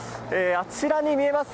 あちらに見えます